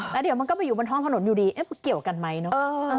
แล้วเดี๋ยวมันก็ไปอยู่บนท้องถนนอยู่ดีเกี่ยวกันไหมเนอะ